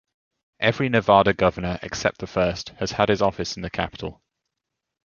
Every Nevada governor except the first has had his office in the capitol.